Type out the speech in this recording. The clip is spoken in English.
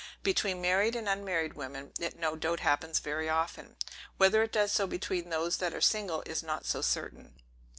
Between married and unmarried women, it no doubt happens very often; whether it does so between those that are single, is not so certain.